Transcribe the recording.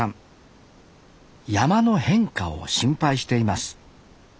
山の変化を心配しています